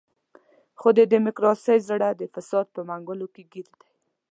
خو د ډیموکراسۍ زړه د فساد په منګولو کې ګیر دی.